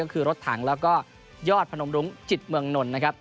ก็คือรถถังแล้วก็ยอดพนมรุ้งจิตเมืองนนท์นะครับ